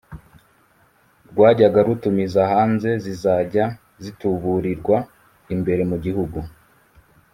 rwajyaga rutumiza hanze zizajya zituburirwa imbere mu Gihugu